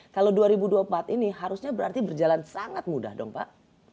kalau dua ribu dua puluh empat ini harusnya berarti berjalan sangat mudah dong pak